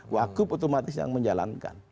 wakil otomatis yang menjalankan